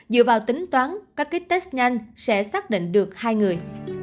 dựa vào tính toán các kích test nhanh sẽ xác định được hai người